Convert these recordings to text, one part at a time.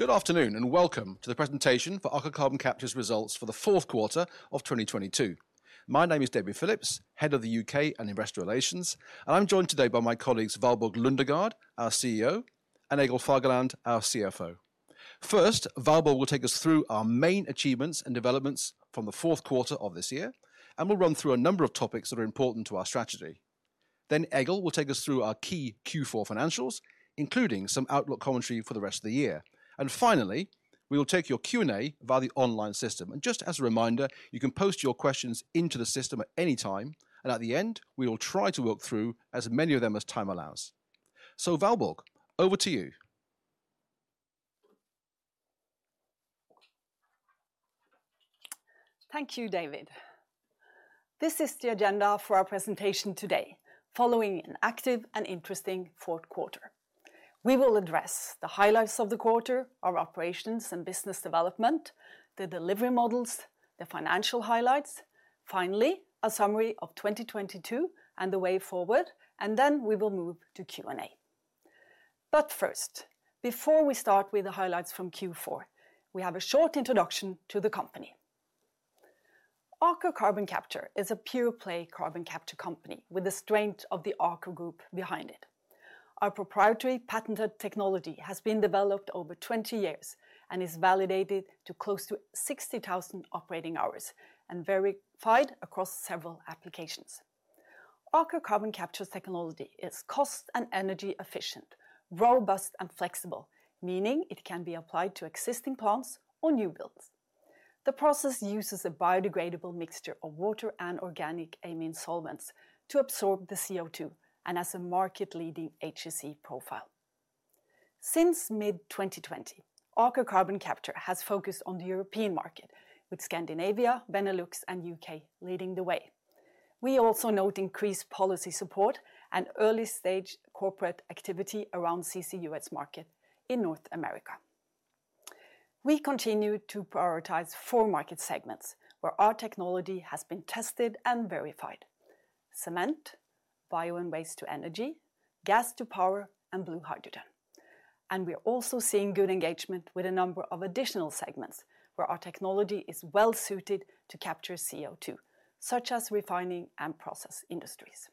Good afternoon, welcome to the presentation for Aker Carbon Capture's Results for the Q4 of 2022. My name is David Phillips, Head of the UK and Investor Relations, and I'm joined today by my colleagues, Valborg Lundegaard, our CEO, and Egil Fagerland, our CFO. First, Valborg will take us through our main achievements and developments from the Q4 of this year, and we'll run through a number of topics that are important to our strategy. Egil will take us through our key Q4 financials, including some outlook commentary for the rest of the year. Finally, we will take your Q&A via the online system. Just as a reminder, you can post your questions into the system at any time, and at the end, we will try to work through as many of them as time allows. Valborg, over to you. Thank you, David. This is the agenda for our presentation today, following an active and interesting Q4. We will address the highlights of the quarter, our operations and business development, the delivery models, the financial highlights. Finally, a summary of 2022 and the way forward. We will move to Q&A. First, before we start with the highlights from Q4, we have a short introduction to the company. Aker Carbon Capture is a pure-play carbon capture company with the strength of the Aker group behind it. Our proprietary patented technology has been developed over 20 years and is validated to close to 60,000 operating hours and verified across several applications. Aker Carbon Capture technology is cost and energy efficient, robust and flexible, meaning it can be applied to existing plants or new builds. The process uses a biodegradable mixture of water and organic amine solvents to absorb the CO2, and has a market-leading HSE profile. Since mid-2020, Aker Carbon Capture has focused on the European market, with Scandinavia, Benelux and UK leading the way. We also note increased policy support and early-stage corporate activity around CCUS market in North America. We continue to prioritize four market segments where our technology has been tested and verified. Cement, bio and waste to energy, gas to power, and blue hydrogen. We're also seeing good engagement with a number of additional segments where our technology is well-suited to capture CO2, such as refining and process industries.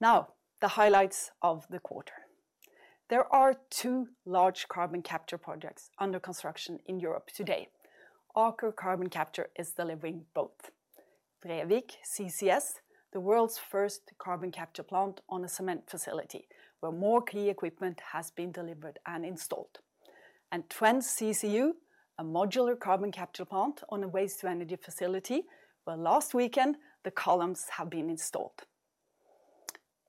The highlights of the quarter. There are two large carbon capture projects under construction in Europe today. Aker Carbon Capture is delivering both. Brevik CCS, the world's first carbon capture plant on a cement facility, where more key equipment has been delivered and installed. Twence CCU, a modular carbon capture plant on a waste-to-energy facility, where last weekend, the columns have been installed.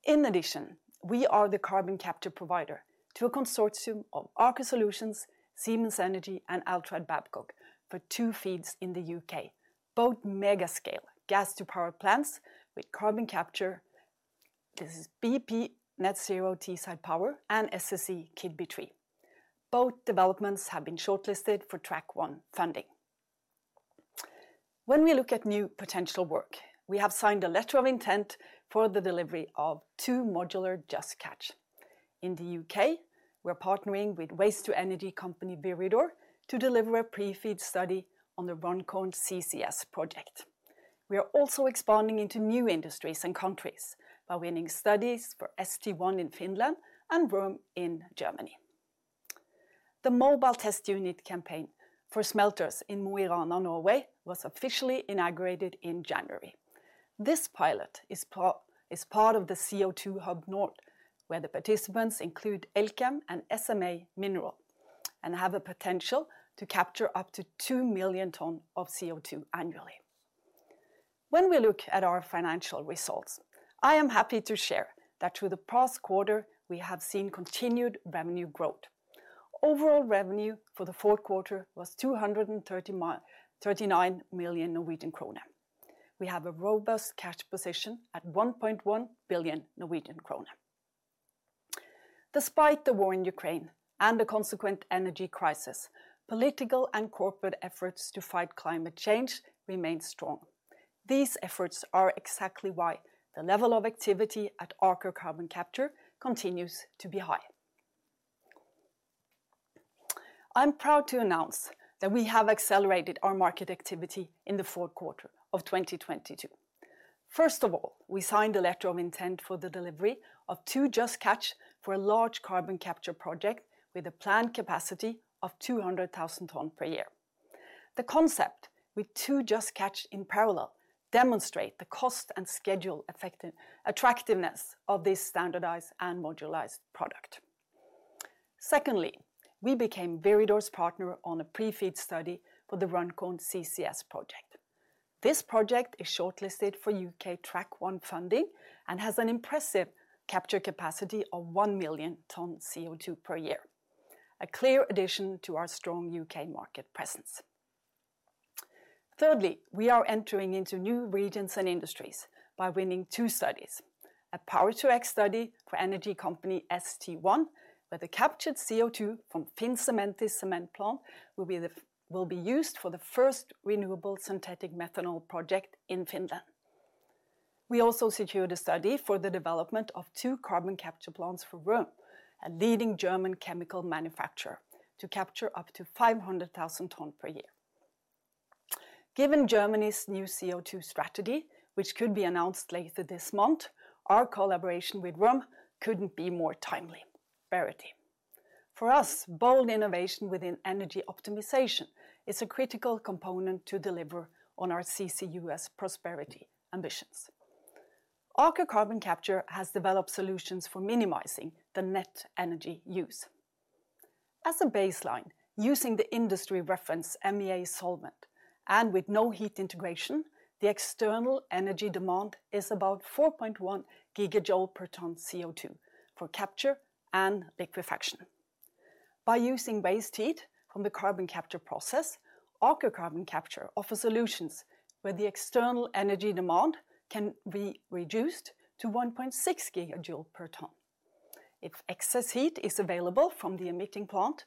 In addition, we are the carbon capture provider to a consortium of Aker Solutions, Siemens Energy, and Altrad Babcock for two FEEDs in the U.K., both mega scale gas to power plants with carbon capture. This is bp Net Zero Teesside Power and SSE Keadby 3. Both developments have been shortlisted for Track-1 funding. When we look at new potential work, we have signed a letter of intent for the delivery of two modular Just Catch. In the U.K., we're partnering with waste-to-energy company, Viridor, to deliver a pre-FEED study on the Runcorn CCS project. We are also expanding into new industries and countries by winning studies for St1 in Finland and Röhm in Germany. The Mobile Test Unit campaign for smelters in Mo i Rana, Norway, was officially inaugurated in January. This pilot is part of the CO2 HUB Nord, where the participants include Elkem and SMA Mineral, and have a potential to capture up to 2 million tons of CO2 annually. When we look at our financial results, I am happy to share that through the past quarter, we have seen continued revenue growth. Overall revenue for the Q4 was 239 million Norwegian krone. We have a robust cash position at 1.1 billion Norwegian krone. Despite the war in Ukraine and the consequent energy crisis, political and corporate efforts to fight climate change remain strong. These efforts are exactly why the level of activity at Aker Carbon Capture continues to be high. I'm proud to announce that we have accelerated our market activity in the Q4 of 2022. First of all, we signed a letter of intent for the delivery of two Just Catch for a large carbon capture project with a planned capacity of 200,000 tons per year. The concept with two Just Catch in parallel demonstrate the cost and schedule attractiveness of this standardized and modularized product. Secondly, we became Viridor's partner on a pre-FEED study for the Runcorn CCS project. This project is shortlisted for UK Track-1 funding and has an impressive capture capacity of 1 million tons CO2 per year, a clear addition to our strong UK market presence. We are entering into new regions and industries by winning two studies, a Power-to-X study for energy company St1, where the captured CO2 from Finnsementti's cement plant will be used for the first renewable synthetic methanol project in Finland. We also secured a study for the development of two carbon capture plants for Röhm, a leading German chemical manufacturer, to capture up to 500,000 tons per year. Given Germany's new CO2 strategy, which could be announced later this month, our collaboration with Röhm couldn't be more timely. Verity. For us, bold innovation within energy optimization is a critical component to deliver on our CCUS prosperity ambitions. Aker Carbon Capture has developed solutions for minimizing the net energy use. As a baseline, using the industry reference MEA solvent, and with no heat integration, the external energy demand is about 4.1 gigajoule per ton CO2 for capture and liquefaction. By using waste heat from the carbon capture process, Aker Carbon Capture offer solutions where the external energy demand can be reduced to 1.6 gigajoule per ton. If excess heat is available from the emitting plant,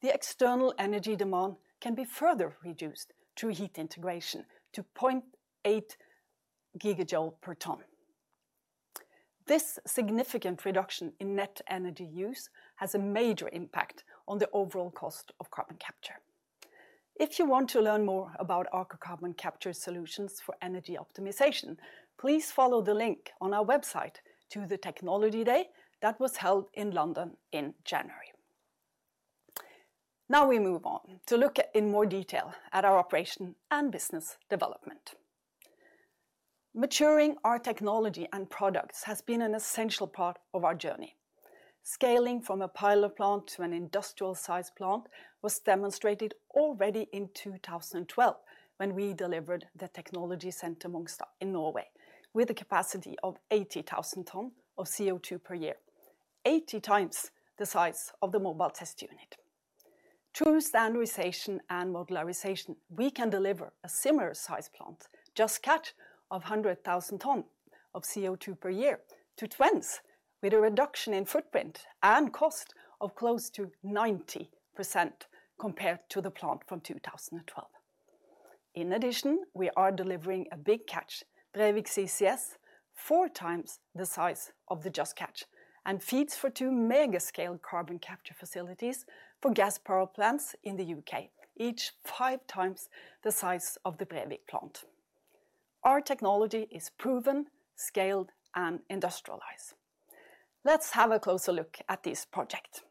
the external energy demand can be further reduced through heat integration to 0.8 gigajoule per ton. This significant reduction in net energy use has a major impact on the overall cost of carbon capture. If you want to learn more about Aker Carbon Capture solutions for energy optimization, please follow the link on our website to the Technology Day that was held in London in January. We move on to look at in more detail at our operation and business development. Maturing our technology and products has been an essential part of our journey. Scaling from a pilot plant to an industrial-sized plant was demonstrated already in 2012 when we delivered the technology center Mongstad in Norway with a capacity of 80,000 tons of CO2 per year, 80x the size of the Mobile Test Unit. Through standardization and modularization, we can deliver a similar size plant, Just Catch of 100,000 tons of CO2 per year to Twence with a reduction in footprint and cost of close to 90% compared to the plant from 2012. In addition, we are delivering a Big Catch, Brevik CCS, 4x the size of the Just Catch, and FEEDs for two mega-scale carbon capture facilities for gas power plants in the UK, each 5x the size of the Brevik plant. Our technology is proven, scaled, and industrialized. Let's have a closer look at this project.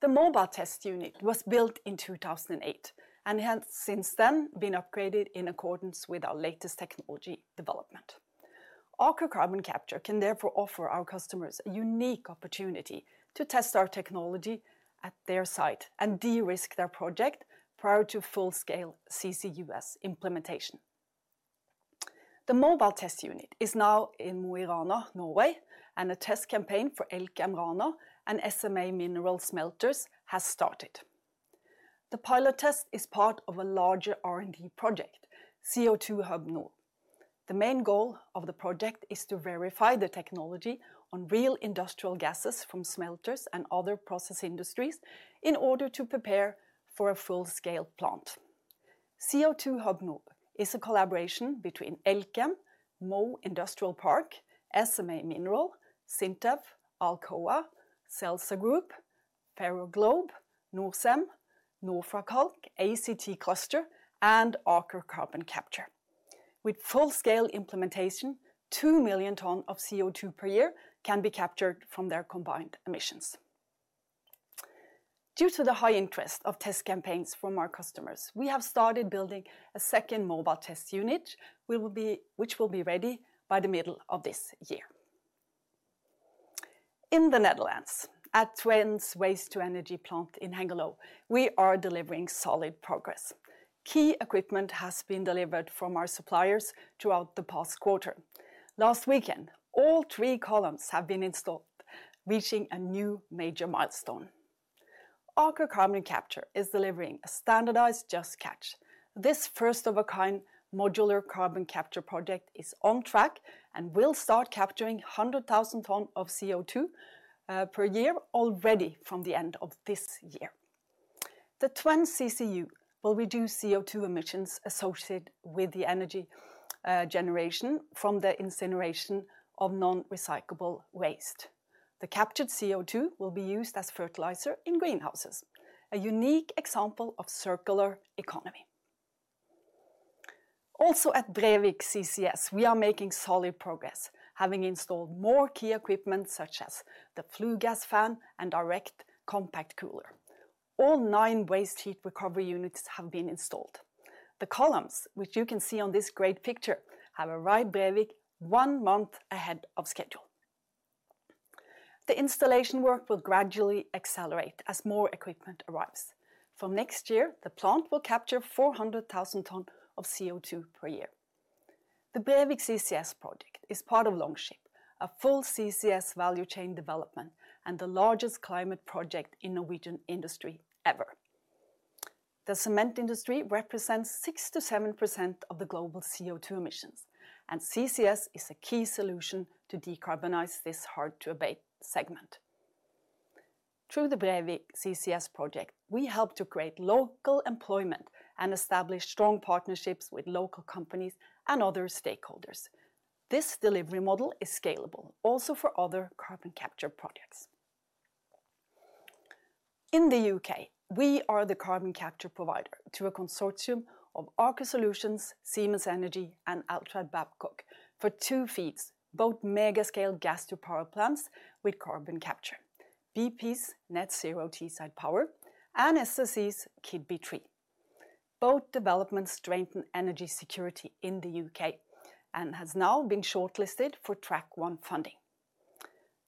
The Mobile Test Unit was built in 2008 and has since then been upgraded in accordance with our latest technology development. Aker Carbon Capture can therefore offer our customers a unique opportunity to test our technology at their site and de-risk their project prior to full-scale CCUS implementation. The Mobile Test Unit is now in Mo i Rana, Norway, and a test campaign for Elkem Rana, and SMA Mineral smelters has started. The pilot test is part of a larger R&D project, CO2 HUB Nord. The main goal of the project is to verify the technology on real industrial gases from smelters and other process industries in order to prepare for a full-scale plant. CO2 HUB Nord is a collaboration between Elkem, Mo Industrial Park, SMA Mineral, SINTEF, Alcoa, Celsa Group, Ferroglobe, Norcem, NorFraKalk, ACT Cluster, and Aker Carbon Capture. With full-scale implementation, 2 million tons of CO2 per year can be captured from their combined emissions. Due to the high interest of test campaigns from our customers, we have started building a second Mobile Test Unit, which will be ready by the middle of this year. In the Netherlands, at Twence's waste-to-energy plant in Hengelo, we are delivering solid progress. Key equipment has been delivered from our suppliers throughout the past quarter. Last weekend, all three columns have been installed, reaching a new major milestone. Aker Carbon Capture is delivering a standardized Just Catch. This first of a kind modular carbon capture project is on track and will start capturing 100,000 tons of CO2 per year already from the end of this year. The Twence CCU will reduce CO2 emissions associated with the energy generation from the incineration of non-recyclable waste. The captured CO2 will be used as fertilizer in greenhouses, a unique example of circular economy. Also at Brevik CCS, we are making solid progress, having installed more key equipment, such as the Flue Gas Fan and Direct Compact Cooler. All nine waste heat recovery units have been installed. The columns, which you can see on this great picture, have arrived Brevik one month ahead of schedule. The installation work will gradually accelerate as more equipment arrives. From next year, the plant will capture 400,000 tons of CO2 per year. The Brevik CCS project is part of Longship, a full CCS value chain development and the largest climate project in Norwegian industry ever. The cement industry represents 6%-7% of the global CO2 emissions. CCS is a key solution to decarbonize this hard-to-abate segment. Through the Brevik CCS project, we helped to create local employment and establish strong partnerships with local companies and other stakeholders. This delivery model is scalable also for other carbon capture projects. In the UK, we are the carbon capture provider to a consortium of Aker Solutions, Siemens Energy, and Altrad Babcock for two FEEDs, both mega scale gas to power plants with carbon capture, bp's Net Zero Teesside Power and SSE's Keadby 3. Both developments strengthen energy security in the U.K. and has now been shortlisted for Track-1 funding.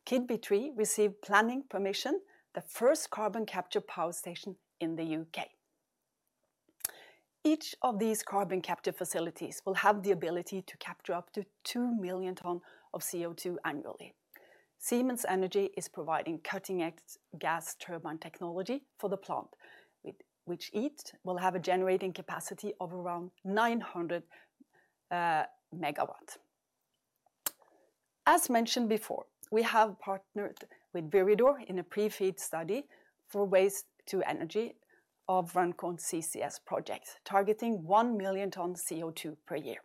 Keadby 3 received planning permission, the first carbon capture power station in the U.K. Each of these carbon capture facilities will have the ability to capture up to 2 million ton of CO2 annually. Siemens Energy is providing cutting-edge gas turbine technology for the plant, with which each will have a generating capacity of around 900MW. As mentioned before, we have partnered with Viridor in a pre-FEED study for waste to energy of Runcorn CCS project, targeting 1 million ton CO2 per year.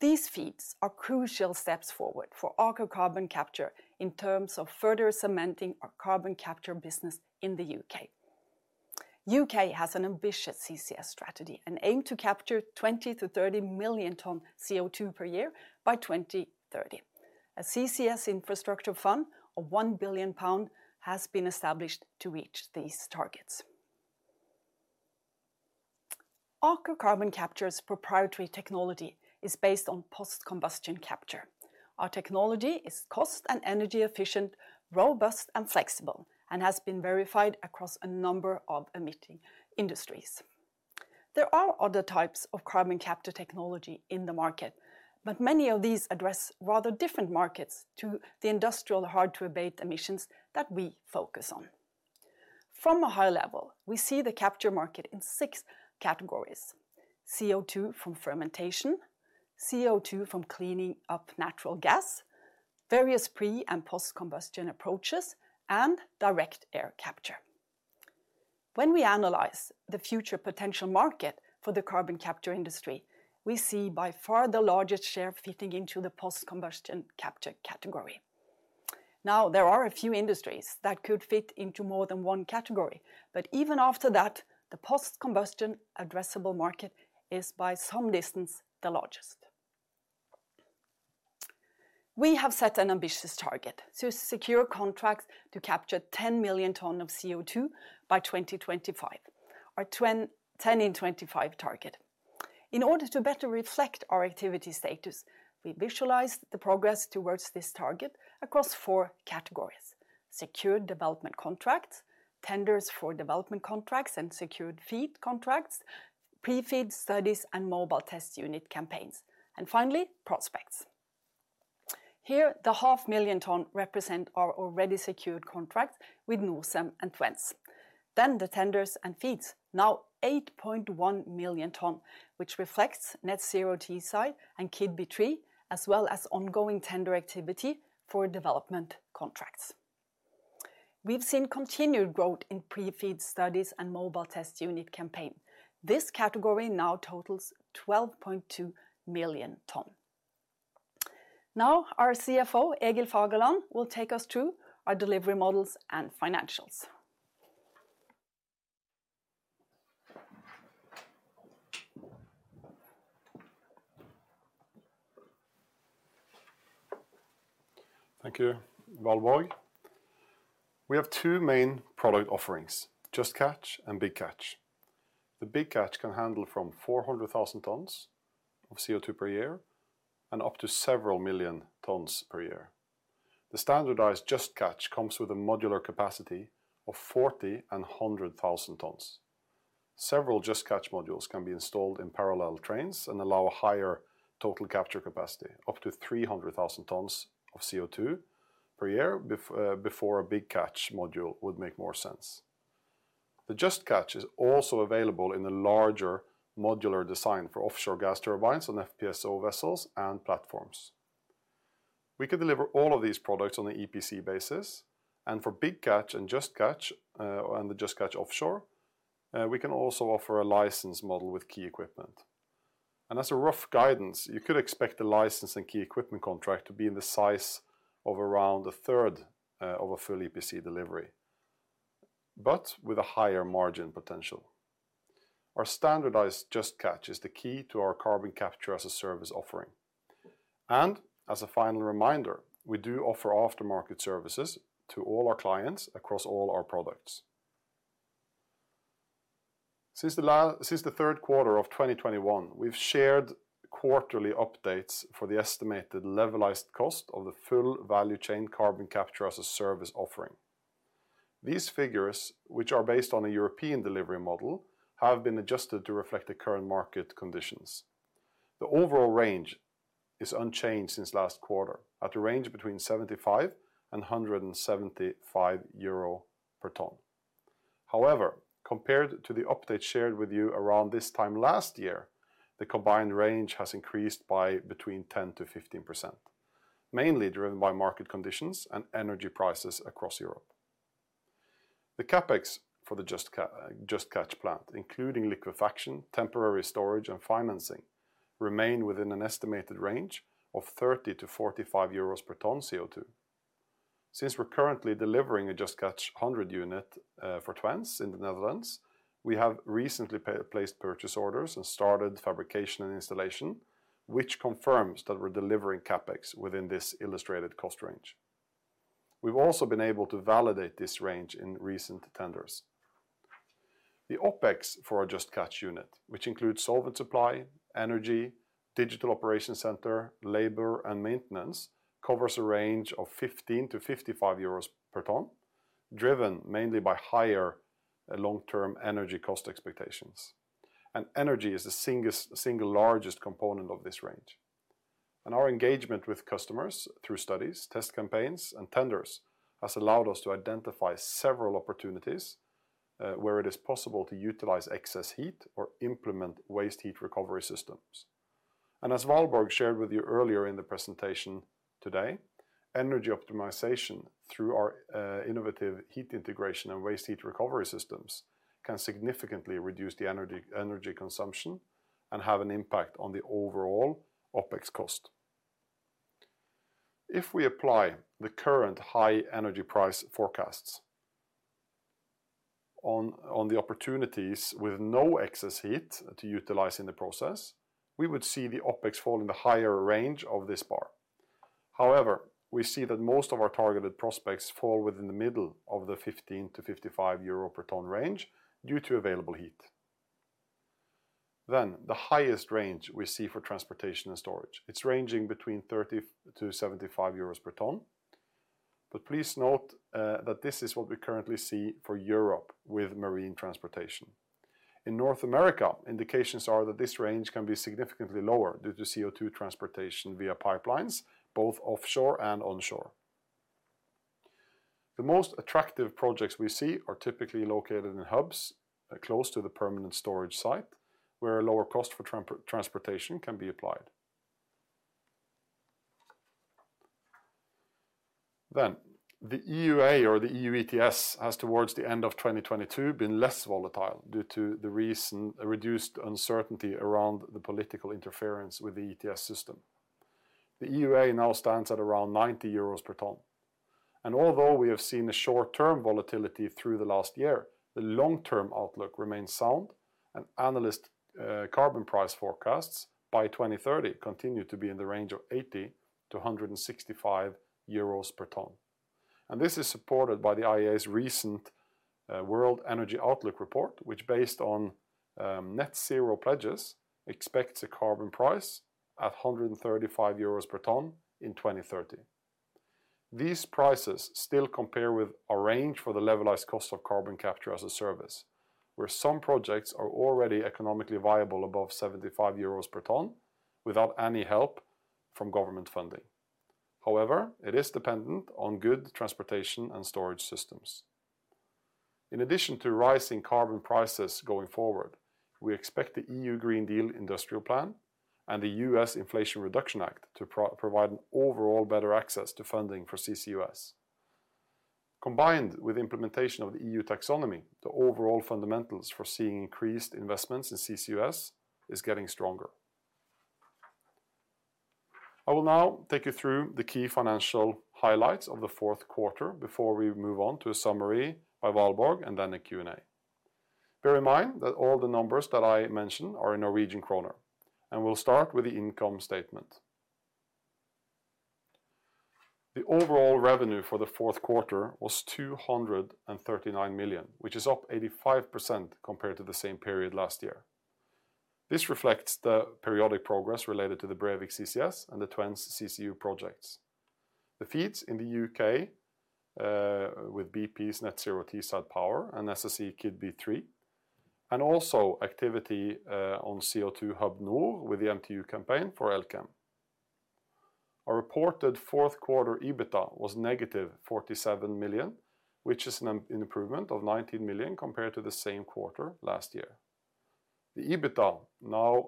These FEEDs are crucial steps forward for Aker Carbon Capture in terms of further cementing our carbon capture business in the U.K. U.K. has an ambitious CCS strategy and aim to capture 20-30 million ton CO2 per year by 2030. A CCS infrastructure fund of 1 billion pound has been established to reach these targets. Aker Carbon Capture's proprietary technology is based on post-combustion capture. Our technology is cost and energy efficient, robust and flexible and has been verified across a number of emitting industries. There are other types of carbon capture technology in the market, but many of these address rather different markets to the industrial hard-to-abate emissions that we focus on. From a high level, we see the capture market in six categories: CO2 from fermentation, CO2 from cleaning up natural gas, various pre- and post-combustion approaches, and direct air capture. When we analyze the future potential market for the carbon capture industry, we see by far the largest share fitting into the post-combustion capture category. There are a few industries that could fit into more than one category, but even after that, the post-combustion addressable market is by some distance the largest. We have set an ambitious target to secure contracts to capture 10 million tons of CO2 by 2025, our 10 in 25 target. In order to better reflect our activity status, we visualized the progress towards this target across four categories, secured development contracts, tenders for development contracts and secured FEED contracts, pre-FEED studies and Mobile Test Unit campaigns, and finally, prospects. The 0.5 million tons represent our already secured contract with Norcem and Twence. The tenders and FEEDs, now 8.1 million tons, which reflects Net Zero Teesside and Keadby 3, as well as ongoing tender activity for development contracts. We've seen continued growth in pre-FEED studies and Mobile Test Unit campaign. This category now totals 12.2 million tons. Our CFO, Egil Fagerland, will take us through our delivery models and financials. Thank you, Valborg. We have two main product offerings, Just Catch and Big Catch. The Big Catch can handle from 400,000 tons of CO2 per year and up to several million tons per year. The standardized Just Catch comes with a modular capacity of 40 and 100,000 tons. Several Just Catch modules can be installed in parallel trains and allow a higher total capture capacity, up to 300,000 tons of CO2 per year before a Big Catch module would make more sense. The Just Catch is also available in a larger modular design for offshore gas turbines on FPSO vessels and platforms. We could deliver all of these products on the EPC basis, and for Big Catch and Just Catch, and the Just Catch Offshore, we can also offer a license model with key equipment. As a rough guidance, you could expect the license and key equipment contract to be in the size of around a third of a full EPC delivery, but with a higher margin potential. Our standardized Just Catch is the key to our carbon capture as a service offering. As a final reminder, we do offer aftermarket services to all our clients across all our products. Since the third quarter of 2021, we've shared quarterly updates for the estimated levelized cost of the full value chain carbon capture as a service offering. These figures, which are based on a European delivery model, have been adjusted to reflect the current market conditions. The overall range is unchanged since last quarter, at a range between 75 and 175 euro per ton. Compared to the update shared with you around this time last year, the combined range has increased by between 10%-15%, mainly driven by market conditions and energy prices across Europe. The CapEx for the Just Catch plant, including liquefaction, temporary storage, and financing, remain within an estimated range of 30-45 euros per ton of CO2. Since we're currently delivering a Just Catch 100 unit for Twence in the Netherlands, we have recently placed purchase orders and started fabrication and installation, which confirms that we're delivering CapEx within this illustrated cost range. We've also been able to validate this range in recent tenders. The OpEx for our Just Catch unit, which includes solvent supply, energy, digital operation center, labor, and maintenance, covers a range of 15-55 euros per ton, driven mainly by higher long-term energy cost expectations. Energy is the single largest component of this range. Our engagement with customers through studies, test campaigns, and tenders has allowed us to identify several opportunities, where it is possible to utilize excess heat or implement waste heat recovery systems. As Valborg shared with you earlier in the presentation today, energy optimization through our innovative heat integration and waste heat recovery systems, can significantly reduce energy consumption and have an impact on the overall OpEx cost. If we apply the current high energy price forecasts on the opportunities with no excess heat to utilize in the process, we would see the OpEx fall in the higher range of this bar. We see that most of our targeted prospects fall within the middle of the 15-55 euro per ton range due to available heat. The highest range we see for transportation and storage, it's ranging between 30-75 euros per ton. Please note that this is what we currently see for Europe with marine transportation. In North America, indications are that this range can be significantly lower due to CO2 transportation via pipelines, both offshore and onshore. The most attractive projects we see are typically located in hubs close to the permanent storage site, where a lower cost for transportation can be applied. The EUA or the EU ETS has towards the end of 2022 been less volatile due to the recent reduced uncertainty around the political interference with the ETS system. The EUA now stands at around 90 euros per ton. Although we have seen a short-term volatility through the last year, the long-term outlook remains sound, and analyst carbon price forecasts by 2030 continue to be in the range of 80-165 euros per ton. This is supported by the IEA's recent World Energy Outlook report, which based on net zero pledges, expects a carbon price at 135 euros per ton in 2030. These prices still compare with a range for the levelized cost of Carbon Capture as a Service, where some projects are already economically viable above 75 euros per ton without any help from government funding. It is dependent on good transportation and storage systems. In addition to rising carbon prices going forward, we expect the EU Green Deal Industrial Plan and the U.S. Inflation Reduction Act to provide an overall better access to funding for CCUS. Combined with implementation of the EU taxonomy, the overall fundamentals for seeing increased investments in CCUS is getting stronger. I will now take you through the key financial highlights of the Q4 before we move on to a summary by Valborg and then a Q&A. Bear in mind that all the numbers that I mention are in Norwegian kroner, and we'll start with the income statement. The overall revenue for the Q4 was 239 million, which is up 85% compared to the same period last year. This reflects the periodic progress related to the Brevik CCS and the Twence CCU projects. The FEEDs in the UK, with bp's Net Zero Teesside Power and SSE Keadby 3, and also activity on CO2 HUB Nord with the MTU campaign for Elkem. Our reported Q4 EBITDA was negative 47 million, which is an improvement of 19 million compared to the same quarter last year. The EBITDA now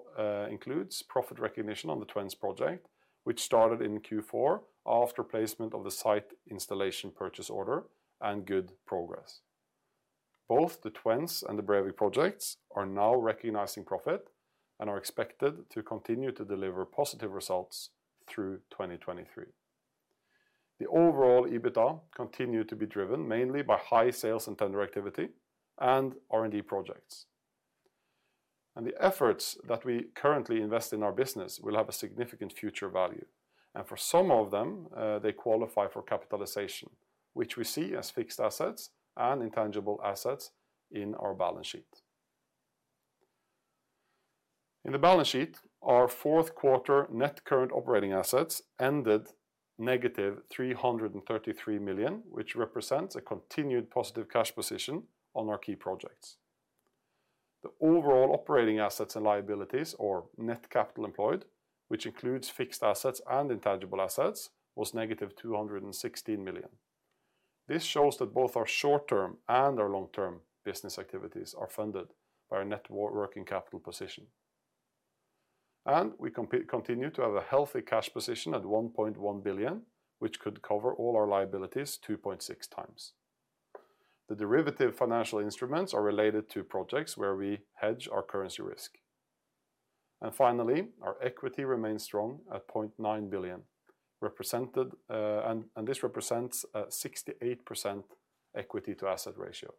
includes profit recognition on the Twence project, which started in Q4 after placement of the site installation purchase order and good progress. Both the Twence and the Brevik projects are now recognizing profit and are expected to continue to deliver positive results through 2023. The overall EBITDA continued to be driven mainly by high sales and tender activity and R&D projects. The efforts that we currently invest in our business will have a significant future value, and for some of them, they qualify for capitalization, which we see as fixed assets and intangible assets in our balance sheet. In the balance sheet, our Q4 net current operating assets ended negative 333 million, which represents a continued positive cash position on our key projects. The overall operating assets and liabilities, or net capital employed, which includes fixed assets and intangible assets, was negative 216 million. This shows that both our short-term and our long-term business activities are funded by our net working capital position. We continue to have a healthy cash position at 1.1 billion, which could cover all our liabilities 2.6X. The derivative financial instruments are related to projects where we hedge our currency risk. Finally, our equity remains strong at 0.9 billion, represented, and this represents a 68% equity to asset ratio.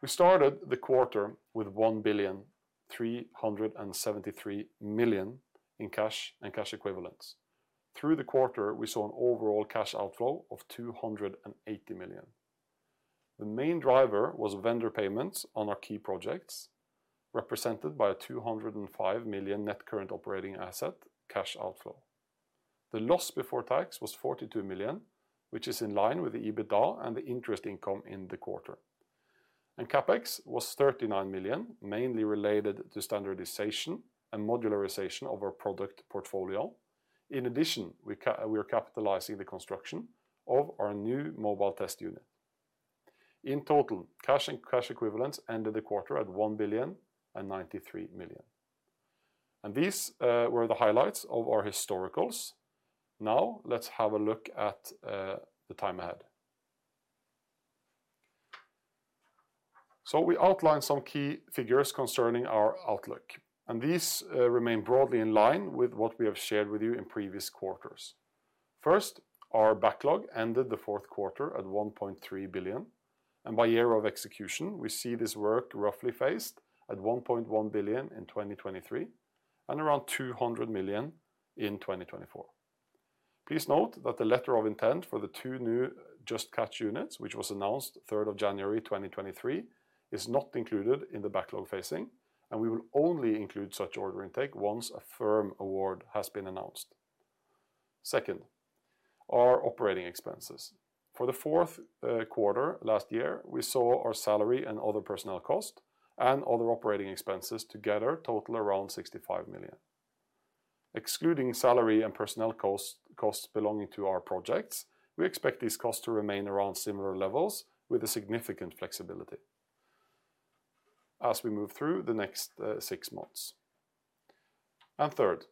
We started the quarter with 1.373 billion in cash and cash equivalents. Through the quarter, we saw an overall cash outflow of 280 million. The main driver was vendor payments on our key projects, represented by a 205 million net current operating asset cash outflow. The loss before tax was 42 million, which is in line with the EBITDA and the interest income in the quarter. CapEx was 39 million, mainly related to standardization and modularization of our product portfolio. In addition, we're capitalizing the construction of our new Mobile Test Unit. In total, cash and cash equivalents ended the quarter at 1.093 billion. These were the highlights of our historicals. Let's have a look at the time ahead. We outlined some key figures concerning our outlook, and these remain broadly in line with what we have shared with you in previous quarters. First, our backlog ended the Q4 at 1.3 billion, and by year of execution, we see this work roughly phased at 1.1 billion in 2023 and around 200 million in 2024. Please note that the letter of intent for the two new Just Catch units, which was announced 3rd of January 2023, is not included in the backlog phasing. We will only include such order intake once a firm award has been announced. Second, our operating expenses. For the Q4 last year, we saw our salary and other personnel costs and other operating expenses together total around 65 million. Excluding salary and personnel costs belonging to our projects, we expect these costs to remain around similar levels with a significant flexibility as we move through the next six months. Third,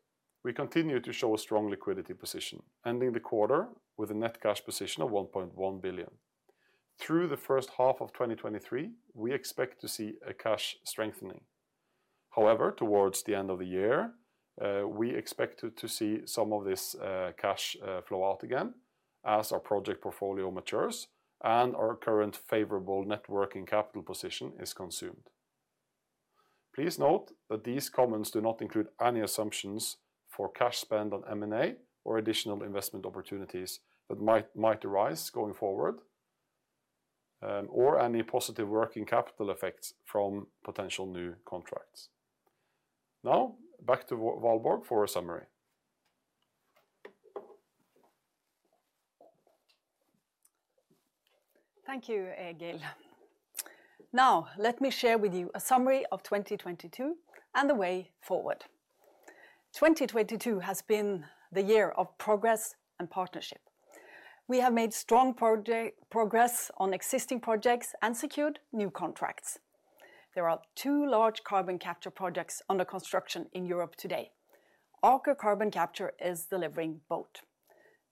we continue to show a strong liquidity position, ending the quarter with a net cash position of 1.1 billion. Through the first half of 2023, we expect to see a cash strengthening. However, towards the end of the year, we expect to see some of this cash flow out again as our project portfolio matures and our current favorable net working capital position is consumed. Please note that these comments do not include any assumptions for cash spend on M&A or additional investment opportunities that might arise going forward, or any positive working capital effects from potential new contracts. Back to Valborg for a summary. Thank you, Egil. Let me share with you a summary of 2022 and the way forward. 2022 has been the year of progress and partnership. We have made strong progress on existing projects and secured new contracts. There are two large carbon capture projects under construction in Europe today. Aker Carbon Capture is delivering both.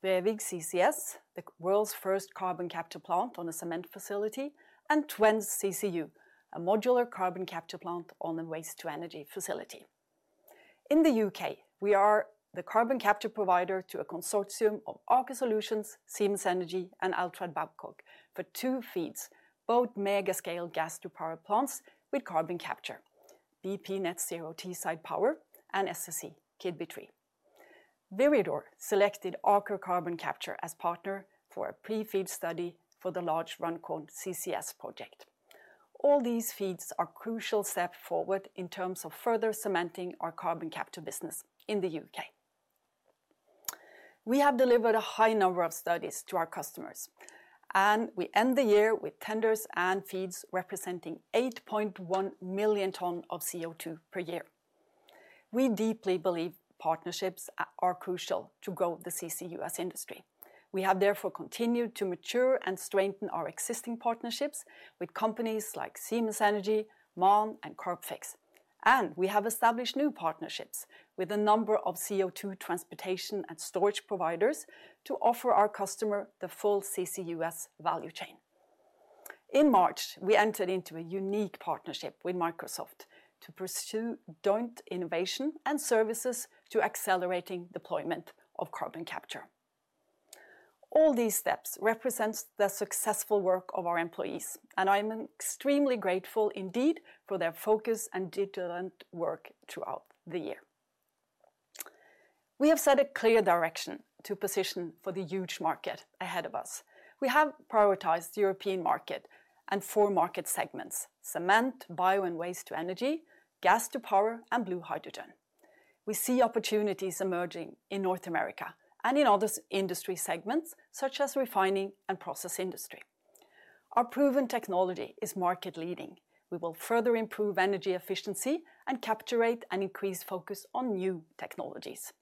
Brevik CCS, the world's first carbon capture plant on a cement facility, and Twence CCU, a modular carbon capture plant on a waste-to-energy facility. In the U.K., we are the carbon capture provider to a consortium of Aker Solutions, Siemens Energy, and Altrad Babcock for two FEEDs, both mega-scale gas to power plants with carbon capture, bp Net Zero Teesside Power and SSE Keadby 3. Viridor selected Aker Carbon Capture as partner for a pre-FEED study for the large Runcorn CCS project. All these FEEDs are crucial step forward in terms of further cementing our carbon capture business in the UK. We have delivered a high number of studies to our customers, and we end the year with tenders and FEEDs representing 8.1 million tons of CO2 per year. We deeply believe partnerships are crucial to grow the CCUS industry. We have therefore continued to mature and strengthen our existing partnerships with companies like Siemens Energy, MAN, and Carbfix. We have established new partnerships with a number of CO2 transportation and storage providers to offer our customer the full CCUS value chain. In March, we entered into a unique partnership with Microsoft to pursue joint innovation and services to accelerating deployment of carbon capture. All these steps represents the successful work of our employees, and I am extremely grateful indeed for their focus and determined work throughout the year. We have set a clear direction to position for the huge market ahead of us. We have prioritized the European market and four market segments, cement, bio and waste-to-energy, gas to power, and blue hydrogen. We see opportunities emerging in North America and in other industry segments, such as refining and process industry. Our proven technology is market leading. We will further improve energy efficiency and capture rate and increase focus on new technologies.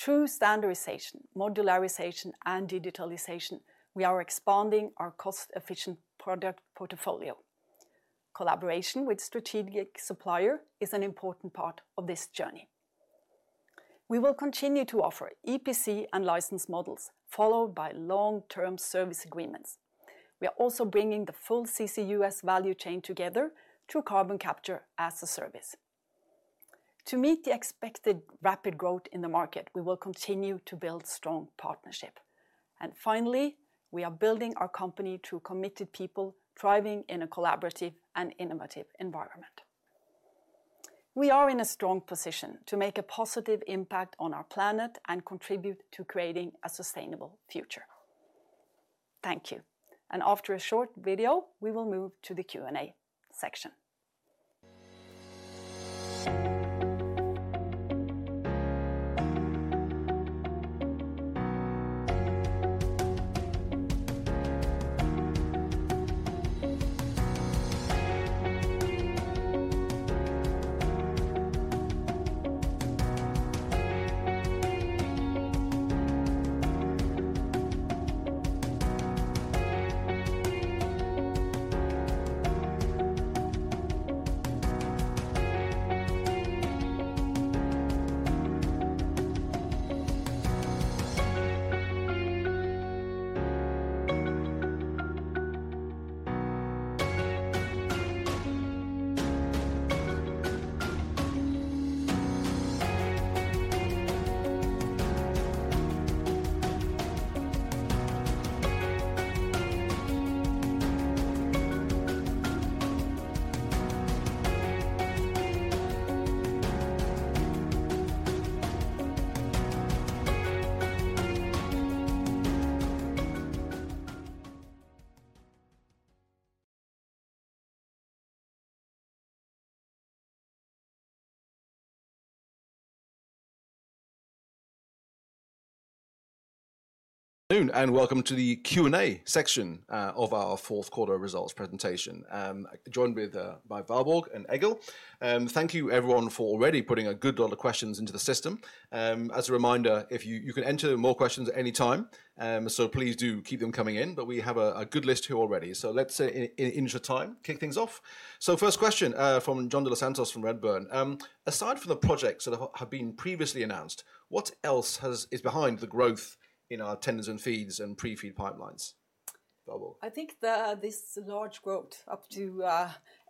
Through standardization, modularization, and digitalization, we are expanding our cost-efficient product portfolio. Collaboration with strategic supplier is an important part of this journey. We will continue to offer EPC and license models, followed by long-term service agreements. We are also bringing the full CCUS value chain together through Carbon Capture as a Service. To meet the expected rapid growth in the market, we will continue to build strong partnership. Finally, we are building our company through committed people thriving in a collaborative and innovative environment. We are in a strong position to make a positive impact on our planet and contribute to creating a sustainable future. Thank you. After a short video, we will move to the Q&A section. Good Afternoon. Welcome to the Q&A section of our Q4 results presentation. Joined with by Valborg and Egil. Thank you everyone for already putting a good lot of questions into the system. As a reminder, you can enter more questions at any time. Please do keep them coming in. We have a good list here already. Let's in the time kick things off. First question from John de los Santos from Redburn. Aside from the projects that have been previously announced, what else is behind the growth in our tenders and FEEDs and pre-FEED pipelines? Valborg. I think the, this large growth up to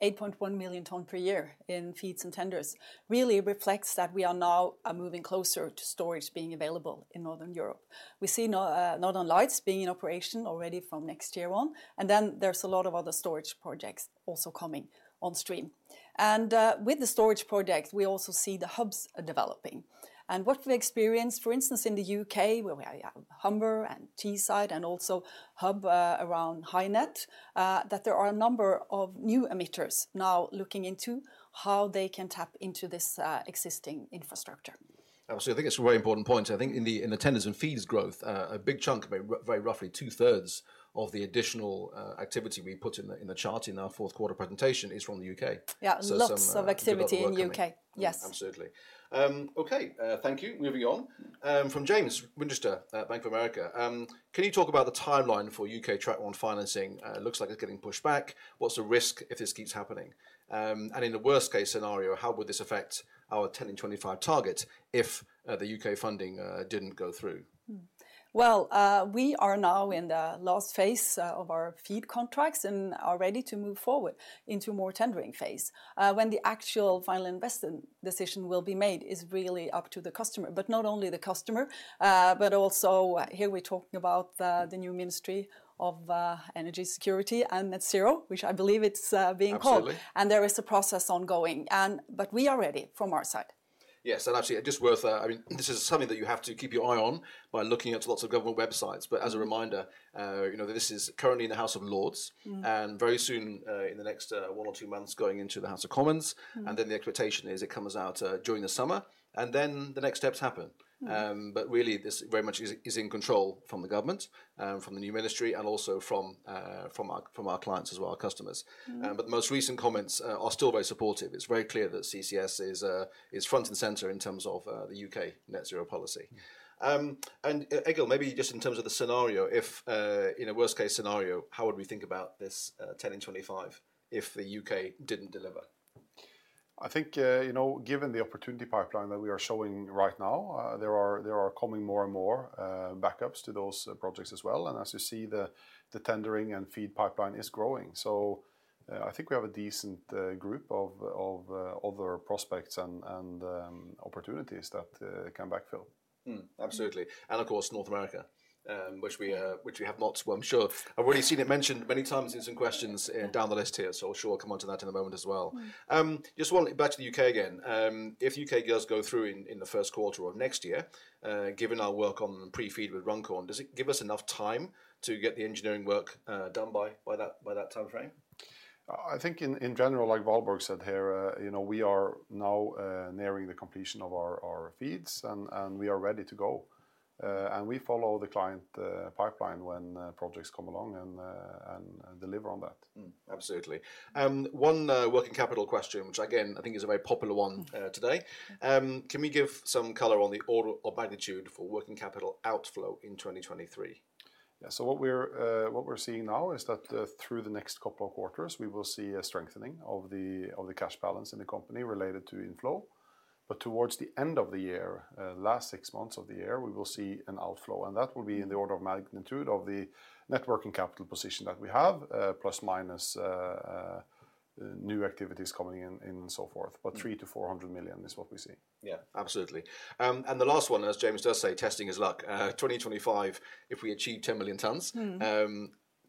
8.1 million ton per year in FEEDs and tenders really reflects that we are now moving closer to storage being available in Northern Europe. We see Northern Lights being in operation already from next year on, then there's a lot of other storage projects also coming on stream. With the storage projects, we also see the hubs developing. What we experienced, for instance, in the UK where we have Humber and Teesside and also hub around HyNet, that there are a number of new emitters now looking into how they can tap into this existing infrastructure. Absolutely. I think it's a very important point. I think in the, in the tenders and FEEDs growth, a big chunk, very roughly two-thirds of the additional activity we put in the, in the chart in our Q4 presentation is from the U.K. Yeah. So some. Lots of activity in U.K. Good lot working. Yes. Absolutely. Okay. Thank you. Moving on. From James Winchester at Bank of America, can you talk about the timeline for UK Track 1 financing? It looks like it's getting pushed back. What's the risk if this keeps happening? In the worst-case scenario, how would this affect our 10 in 25 target if the UK funding didn't go through? We are now in the last phase of our FEED contracts and are ready to move forward into more tendering phase. When the actual Final Investment Decision will be made is really up to the customer. Not only the customer, but also here we're talking about the new Department for Energy Security and Net Zero, which I believe it's being called. Absolutely. There is a process ongoing. We are ready from our side. Yes. actually just worth, I mean, this is something that you have to keep your eye on by looking at lots of government websites. As a reminder, you know, that this is currently in the House of Lords. Mm-hmm Very soon, in the next one or two months, going into the House of Commons. Mm-hmm. The expectation is it comes out during the summer, and then the next steps happen. Mm-hmm. Really this very much is in control from the government, from the new ministry and also from our clients as well, our customers. The most recent comments are still very supportive. It's very clear that CCS is front and center in terms of the UK Net Zero policy. Egil, maybe just in terms of the scenario, if in a worst-case scenario, how would we think about this 10 in 25 if the UK didn't deliver? I think, you know, given the opportunity pipeline that we are showing right now, there are coming more and more backups to those projects as well. As you see the tendering and FEED pipeline is growing. I think we have a decent group of other prospects and opportunities that can backfill. Absolutely. Of course, North America, which we have not, well I'm sure I've already seen it mentioned many times in some questions down the list here. Sure we'll come onto that in a moment as well. Mm-hmm. Just one back to the U.K. again. If U.K. goes through in the first quarter of next year, given our work on pre-FEED with Runcorn, does it give us enough time to get the engineering work done by that timeframe? I think in general, like Valborg said here, you know, we are now nearing the completion of our FEEDs and we are ready to go. We follow the client pipeline when projects come along and deliver on that. Mm-hmm. Absolutely. One working capital question, which again, I think is a very popular one. Today. Can we give some color on the order of magnitude for working capital outflow in 2023? What we're seeing now is that through the next couple of quarters, we will see a strengthening of the cash balance in the company related to inflow. Towards the end of the year, last six months of the year, we will see an outflow, and that will be in the order of magnitude of the net working capital position that we have, plus minus new activities coming in, and so forth. Mm-hmm. 3 million-400 million is what we see. Yeah. Absolutely. The last one, as James does say, testing his luck. 2025, if we achieve 10 million tons. Mm-hmm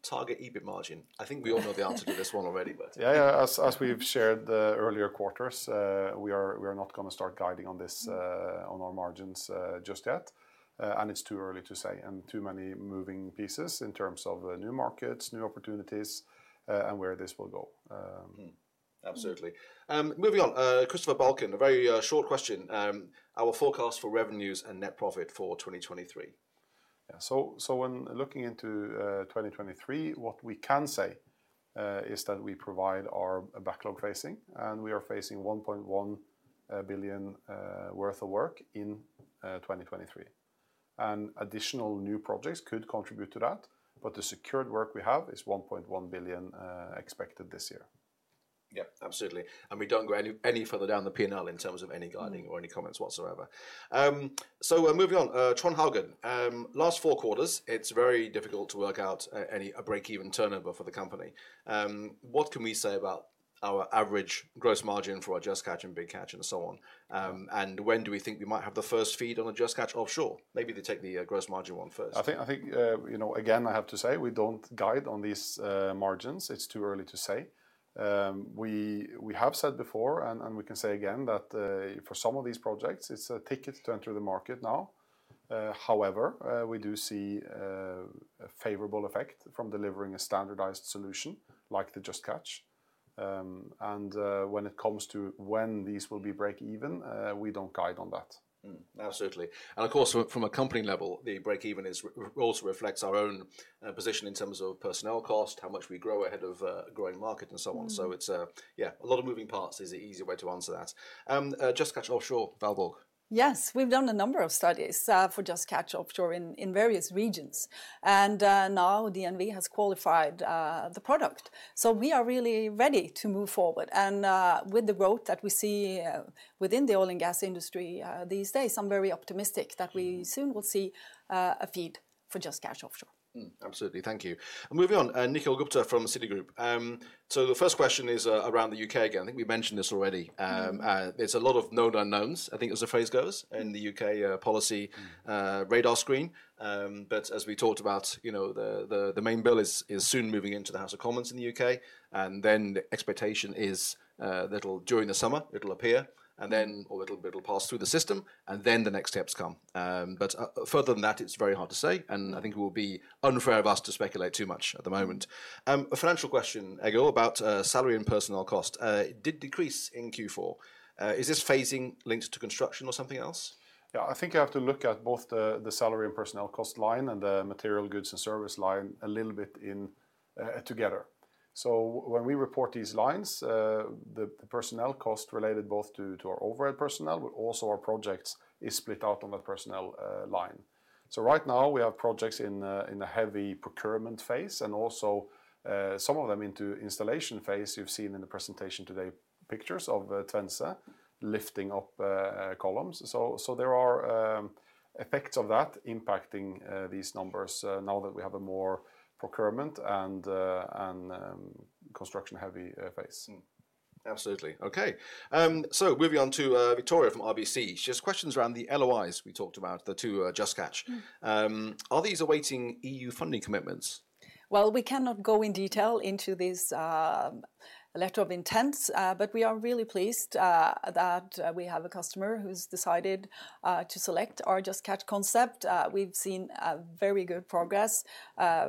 Target EBIT margin. I think we all know the answer to this one already, but. Yeah. As we've shared the earlier quarters, we are not going to start guiding on this on our margins just yet. It's too early to say, and too many moving pieces in terms of new markets, new opportunities, and where this will go. Mm-hmm. Absolutely. Mm-hmm. Moving on. Christopher Balkan, a very short question. Our forecast for revenues and net profit for 2023. When looking into 2023, what we can say is that we provide our backlog facing, and we are facing 1.1 billion worth of work in 2023. Additional new projects could contribute to that, but the secured work we have is 1.1 billion expected this year. Yeah. Absolutely. We don't go any further down the P&L in terms of any. Mm-hmm Or any comments whatsoever. Moving on. Tron Haugen. Last four quarters, it is very difficult to work out any break-even turnover for the company. What can we say about our average gross margin for our Just Catch and Big Catch and so on? When do we think we might have the first FEED on a Just Catch Offshore? Maybe they take the gross margin one first. I think, you know, again, I have to say, we don't guide on these margins. It's too early to say. We have said before, and we can say again that for some of these projects, it's a ticket to enter the market now. However, we do see a favorable effect from delivering a standardized solution like the Just Catch. And when it comes to when these will be break even, we don't guide on that. Mm-hmm. Absolutely. Of course, from a company level, the break even also reflects our own position in terms of personnel cost, how much we grow ahead of a growing market and so on. Mm-hmm. It's, yeah, a lot of moving parts is an easy way to answer that. Just Catch Offshore, Valborg. Yes. We've done a number of studies for Just Catch Offshore in various regions. Now DNV has qualified the product. We are really ready to move forward. With the growth that we see within the oil and gas industry these days, I'm very optimistic that we soon will see a FEED for Just Catch Offshore. Absolutely. Thank you. Moving on, Nikhil Gupta from Citigroup. So the first question is around the U.K. Again. I think we mentioned this already. There's a lot of known unknowns, I think as the phrase goes. in the U.K. policy radar screen. As we talked about, you know, the main bill is soon moving into the House of Commons in the UK, and then the expectation is that'll during the summer it'll appear, and then or it'll pass through the system, and then the next steps come. Further than that, it's very hard to say, and I think it will be unfair of us to speculate too much at the moment. A financial question, Egil, about salary and personnel cost did decrease in Q4. Is this phasing linked to construction or something else? I think you have to look at both the salary and personnel cost line and the material goods and service line a little bit in together. When we report these lines, the personnel cost related both to our overhead personnel, but also our projects is split out on that personnel line. Right now we have projects in a heavy procurement phase and also some of them into installation phase. You've seen in the presentation today pictures of Twence lifting up columns. There are effects of that impacting these numbers now that we have a more procurement and construction heavy phase. Absolutely. Okay. Moving on to Victoria from RBC. She has questions around the LOIs we talked about, the two, Just Catch. Mm-hmm. Are these awaiting EU funding commitments? Well, we cannot go in detail into these letter of intents. We are really pleased that we have a customer who's decided to select our Just Catch concept. We've seen very good progress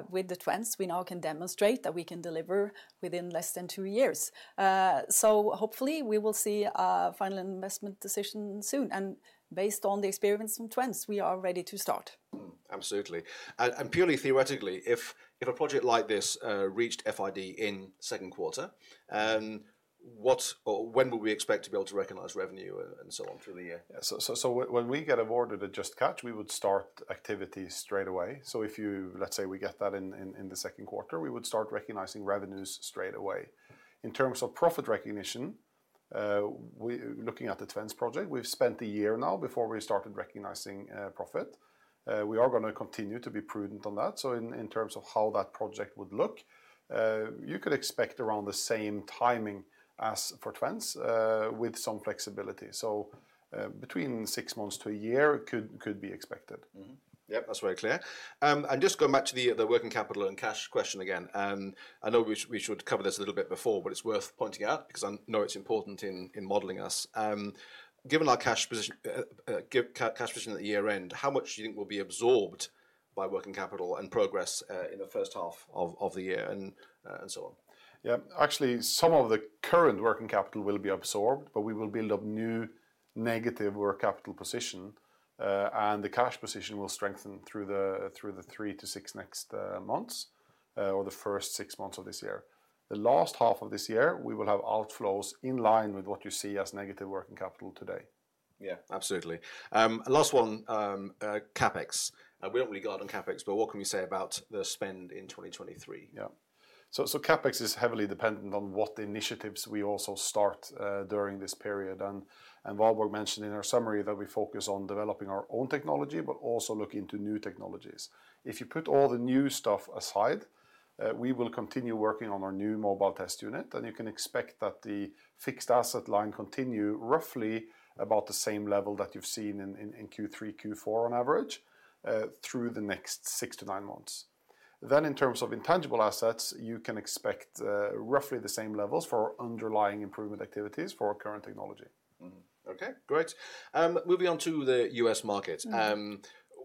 with the Twence. We now can demonstrate that we can deliver within less than two years. Hopefully we will see a final investment decision soon. Based on the experience from Twence, we are ready to start. Absolutely. Purely theoretically, if a project like this reached FID in second quarter, what or when would we expect to be able to recognize revenue and so on through the year? When we get an order to Just Catch, we would start activities straight away. If you, let's say, we get that in the second quarter, we would start recognizing revenues straight away. In terms of profit recognition, looking at the Twence project, we've spent a year now before we started recognizing profit. We are going to continue to be prudent on that. In terms of how that project would look, you could expect around the same timing as for Twence, with some flexibility. Between six months to a year could be expected. Mm-hmm. Yep, that's very clear. Just go back to the working capital and cash question again. I know we should cover this a little bit before, but it's worth pointing out because I know it's important in modeling us. Given our cash position at the year-end, how much do you think will be absorbed by working capital and progress in the first half of the year and so on? Yeah. Actually, some of the current working capital will be absorbed, but we will build up new negative working capital position. The cash position will strengthen through the three to six next months, or the first six months of this year. The last half of this year, we will have outflows in line with what you see as negative working capital today. Yeah. Absolutely. Last one, CapEx. We don't really guide on CapEx, but what can we say about the spend in 2023? Yeah. So CapEx is heavily dependent on what initiatives we also start during this period. And Valborg mentioned in our summary that we focus on developing our own technology but also look into new technologies. If you put all the new stuff aside, we will continue working on our new Mobile Test Unit, and you can expect that the fixed asset line continue roughly about the same level that you've seen in Q3, Q4 on average, through the next six to nine months. In terms of intangible assets, you can expect roughly the same levels for underlying improvement activities for our current technology. Mm-hmm. Okay. Great. Moving on to the U.S. market. Mm-hmm.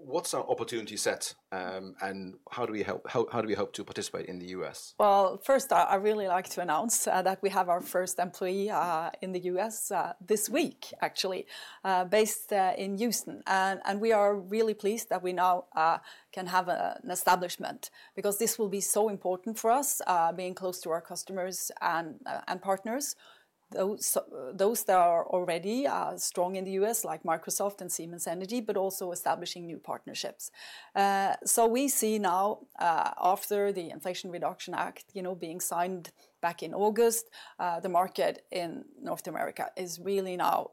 What's our opportunity set, and how do we hope to participate in the U.S.? Well, first I'd really like to announce that we have our first employee in the U.S. this week actually, based in Houston. We are really pleased that we now can have an establishment because this will be so important for us, being close to our customers and partners. Those that are already strong in the U.S. like Microsoft and Siemens Energy, but also establishing new partnerships. We see now after the Inflation Reduction Act, you know, being signed back in August, the market in North America is really now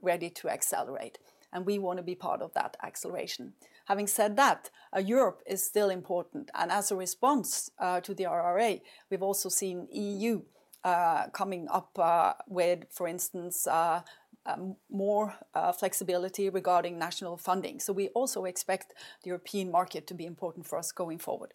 ready to accelerate, and we want to be part of that acceleration. Having said that, Europe is still important, and as a response to the IRA, we've also seen EU coming up with, for instance, more flexibility regarding national funding. We also expect the European market to be important for us going forward.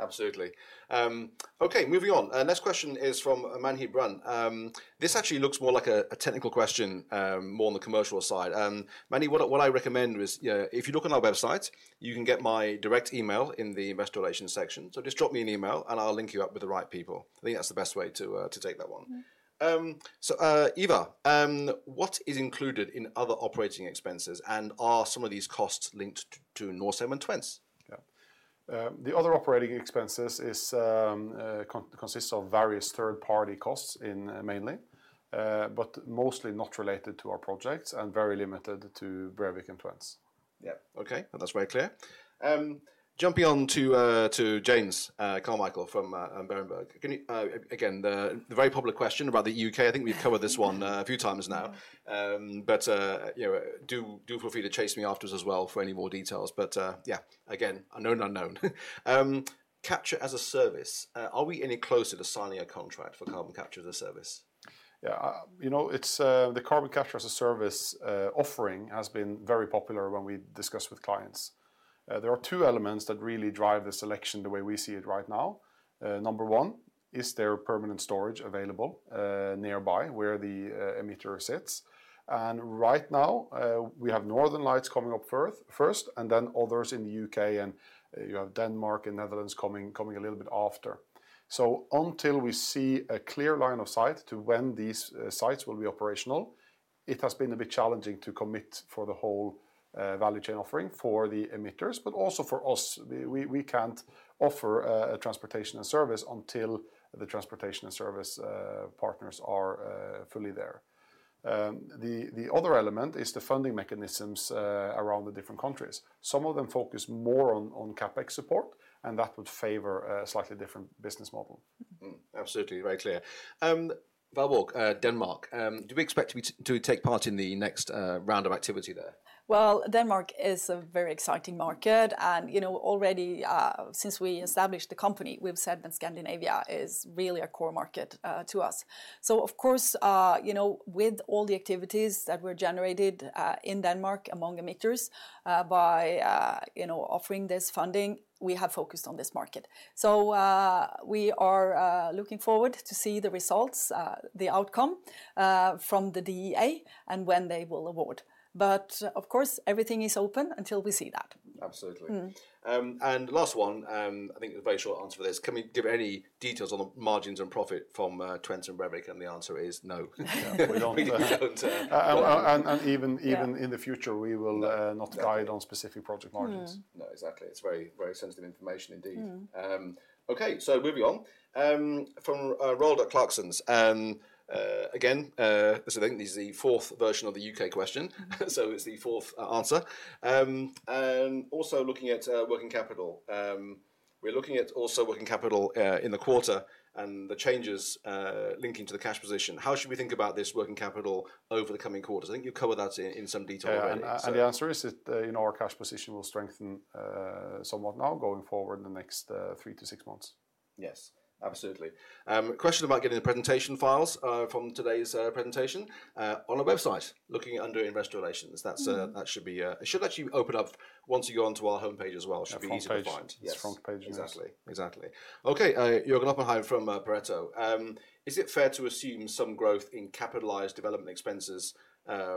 Mm-hmm. Absolutely. Okay. Moving on. Next question is from Manhib Runn. This actually looks more like a technical question, more on the commercial side. Manhi, what I recommend is, you know, if you look on our website, you can get my direct email in the investor relations section. Just drop me an email, and I'll link you up with the right people. I think that's the best way to take that one. Mm-hmm. Eva, what is included in other operating expenses, and are some of these costs linked to Norcem and Twence? Yeah. The other operating expenses is consists of various third-party costs in mainly, but mostly not related to our projects and very limited to Brevik and Twence. Okay. That's very clear. Jumping on to James Carmichael from Berenberg. Can you again, the very public question about the U.K. I think we've covered this one a few times now. You know, do feel free to chase me afterwards as well for any more details. Again, a known unknown. Capture as a Service. Are we any closer to signing a contract for Carbon Capture as a Service? Yeah. you know, it's the Carbon Capture as a Service offering has been very popular when we discuss with clients. There are two elements that really drive the selection the way we see it right now. Number one, is there permanent storage available nearby where the emitter sits? Right now, we have Northern Lights coming up first and then others in the U.K., and you have Denmark and Netherlands coming a little bit after. Until we see a clear line of sight to when these sites will be operational, it has been a bit challenging to commit for the whole value chain offering for the emitters, but also for us. We can't offer a transportation and service until the transportation and service partners are fully there. The other element is the funding mechanisms around the different countries. Some of them focus more on CapEx support. That would favor a slightly different business model. Absolutely. Very clear. Valborg, Denmark. Do we take part in the next round of activity there? Denmark is a very exciting market, you know, already, since we established the company, we've said that Scandinavia is really a core market to us. Of course, you know, with all the activities that were generated in Denmark among emitters, by, you know, offering this funding, we have focused on this market. We are looking forward to see the results, the outcome from the DEA and when they will award. Of course, everything is open until we see that. Absolutely. Mm. Last one, I think a very short answer for this. Can we give any details on the margins and profit from Twence and Brevik? The answer is no. Yeah. We don't. We don't. Even. Yeah Even in the future we will. No. Definitely. Not guide on specific project margins. No, exactly. It's very, very sensitive information indeed. Mm. Okay. Moving on from Roald at Clarksons. Again, I think this is the fourth version of the U.K. question. It's the fourth answer. And also looking at working capital. We're looking at also working capital in the quarter and the changes linking to the cash position. How should we think about this working capital over the coming quarters? I think you covered that in some detail already. Yeah. The answer is that, you know, our cash position will strengthen, somewhat now going forward in the next, three to six months. Yes. Absolutely. Question about getting the presentation files, from today's presentation. On our website. Looking under investor relations. That should be, it should let you open up once you go onto our homepage as well. Should be easy to find. Our front page. Yes. It's front page, yes. Exactly. Exactly. Okay. Jørgen Opheim from Pareto. Is it fair to assume some growth in capitalized development expenses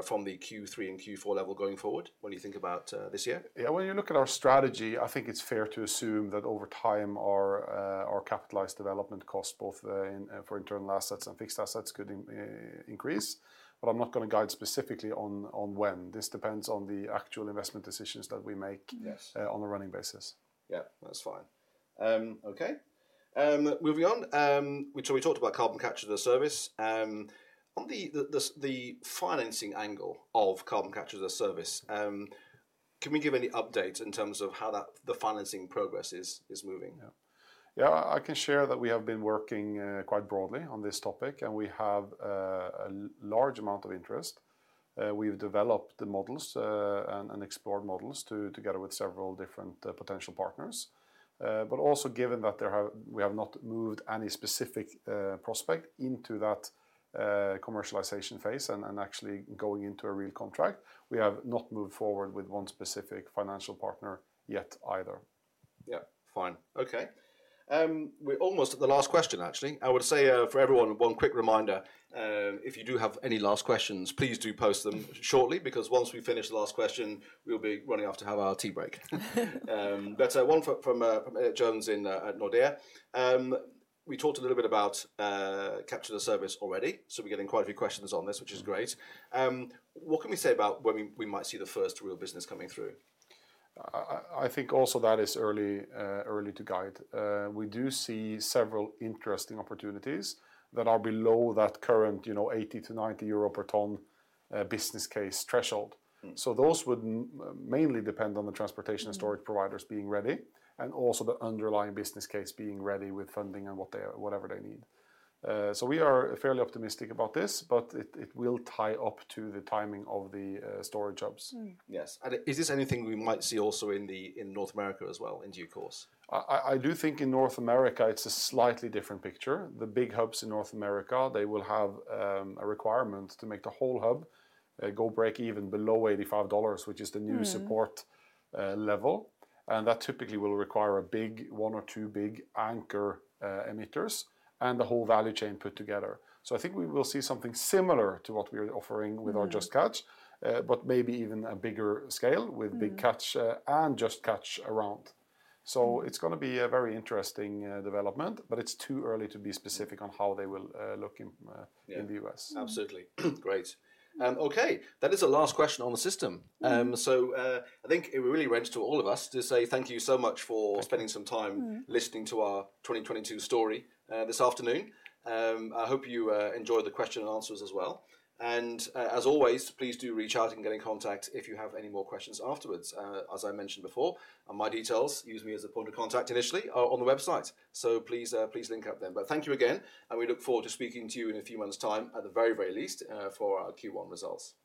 from the Q3 and Q4 level going forward when you think about this year? When you look at our strategy, I think it's fair to assume that over time our capitalized development costs, both, in, for internal assets and fixed assets could increase. I'm not going to guide specifically on when. This depends on the actual investment decisions that we make. Yes On a running basis. That's fine. Moving on. We talked about Carbon Capture as a Service. On the financing angle of Carbon Capture as a Service, can we give any update in terms of how that, the financing progress is moving? Yeah, I can share that we have been working, quite broadly on this topic. We have a large amount of interest. We've developed the models and explored models too together with several different potential partners. Also given that we have not moved any specific prospect into that commercialization phase and actually going into a real contract. We have not moved forward with one specific financial partner yet either. Fine. Okay. We're almost at the last question, actually. I would say, for everyone, one quick reminder, if you do have any last questions, please do post them shortly, because once we finish the last question, we'll be running off to have our tea break. One from Elliott Jones in at Nordea. We talked a little bit about Capture as a Service already, so we're getting quite a few questions on this, which is great. What can we say about when we might see the first real business coming through? I think also that is early to guide. We do see several interesting opportunities that are below that current, you know, 80-90 euro per ton business case threshold. Mm. Those would mainly depend on the transportation and storage providers being ready, and also the underlying business case being ready with funding and what they're, whatever they need. We are fairly optimistic about this, but it will tie up to the timing of the storage hubs. Mm. Yes. Is this anything we might see also in North America as well in due course? I do think in North America it's a slightly different picture. The big hubs in North America, they will have a requirement to make the whole hub go break even below $85. Mm Which is a new support level. That typically will require a big, one or two big anchor, emitters, and the whole value chain put together. I think we will see something similar to what we're offering with our. Mm Just Catch, but maybe even a bigger scale. Mm With Big Catch and Just Catch around. It's going to be a very interesting development, but it's too early to be specific on how they will look. Yeah In the U.S. Absolutely. Great. Okay. That is the last question on the system. Mm. I think it really remains to all of us to say thank you so much for spending some time. Mm-hmm Listening to our 2022 story this afternoon. I hope you enjoyed the question and answers as well. As always, please do reach out and get in contact if you have any more questions afterwards. As I mentioned before, my details, use me as a point of contact initially, are on the website. Please link up then. Thank you again, and we look forward to speaking to you in a few months' time, at the very, very least, for our Q1 results.